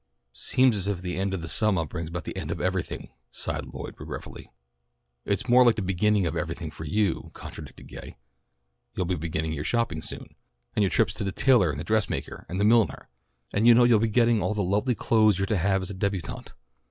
"Seems as if the end of the summah brings the end of everything," sighed Lloyd regretfully. "It's more like the beginning of everything for you," contradicted Gay. "You'll be beginning your shopping soon, and your trips to the tailor and the dressmaker and the milliner, and you know you'll enjoy getting all the lovely clothes you're to have as a débutante.